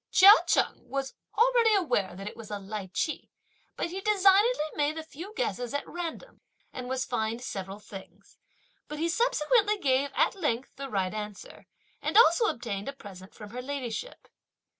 Chia Cheng was already aware that it was a lichee, but he designedly made a few guesses at random, and was fined several things; but he subsequently gave, at length, the right answer, and also obtained a present from her ladyship.